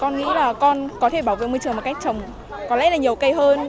con nghĩ là con có thể bảo vệ môi trường một cách trồng có lẽ là nhiều cây hơn